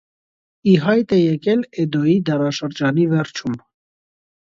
Ի հայտ է եկել Էդոյի դարաշրջանի վերջում։